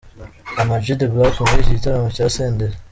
Ama-G The Black muri iki gitaramo cya Senderi.